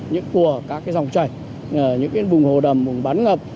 những của các cái dòng chảy những cái vùng hồ đầm vùng bắn ngập